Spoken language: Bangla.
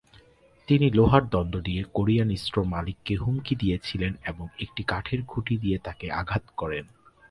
তিনি লোহার দণ্ড দিয়ে কোরিয়ান স্টোর মালিককে হুমকি দিয়েছিলেন এবং একটি কাঠের খুঁটি দিয়ে তাকে আঘাত করেন।